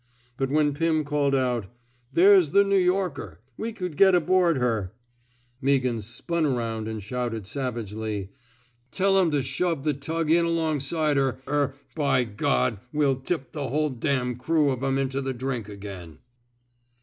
But when Pim called out, *' There's the 62 A CHAEGE OF COWABDICE New Yorker. We could get aboard feer/' Meaghan spnn aronnd and shouted, savagely :Tell 'em to shove the tug. in alongside her, er by we'll tip the whole crew of 'em into the drink again."